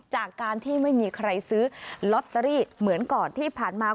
จากการที่ไม่มีใครซื้อลอตเตอรี่เหมือนก่อนที่ผ่านมา